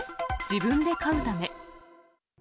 自分で飼うため。